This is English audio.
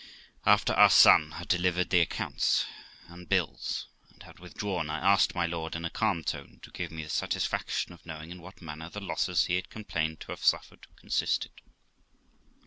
After our son had delivered the accounts and bills, and had withdrawn, I asked my lord, in a calm tone, to give me the satisfaction of knowing in what manner the losses he had complained to have suffered consisted.